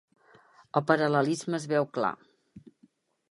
El paral·lelisme es veu clar.